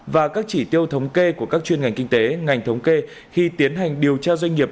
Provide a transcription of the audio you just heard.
và các chỉ tiêu thống kê của các chuyên ngành kinh tế ngành thống kê khi tiến hành điều tra doanh nghiệp